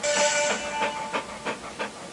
حضرت محمد صلی الله عليه وسلم رښتينی رسول دی.